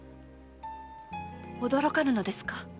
驚かぬのですか？